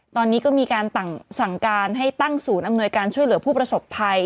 ตอนนี้ก็มีการสั่งการให้ตั้งศูนย์อำนวยการช่วยเหลือผู้ประสบภัย